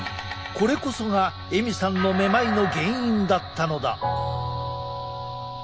これこそがエミさんのめまいの原因だったのだ。